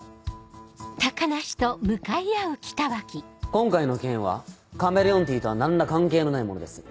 今回の件はカメレオンティーとは何ら関係のないものです。